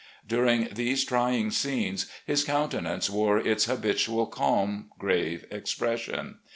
During these trying scenes his countenance wore its habitual calm, grave expression.